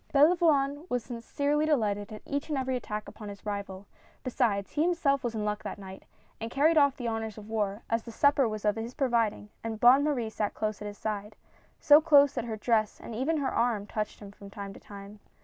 Belavoine was sincerely delighted at each and every attack upon his rival — besides, he himself was in luck that night, and carried off the honors of war, as the supper was of his providing and Bonne Marie sat close at his side — so close that her dress and even her arm touched him from time to time.